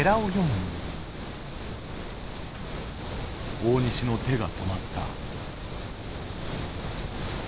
大西の手が止まった。